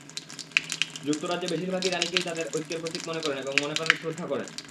যুক্তরাজ্যে বেশিরভাগই রানীকেই তাদের ঐক্যের প্রতীক মনে করেন এবং মনেপ্রাণে শ্রদ্ধা করেন।